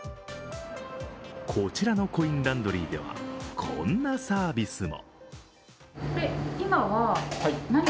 こちらのコインランドリーでは、こんなサービスも。